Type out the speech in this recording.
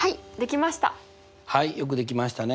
はいできました。